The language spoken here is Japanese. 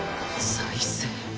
再生。